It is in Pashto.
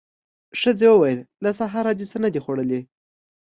ښځې وويل: له سهاره دې څه نه دي خوړلي.